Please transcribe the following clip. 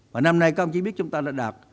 và năm nay các ông chí biết chúng ta đã đạt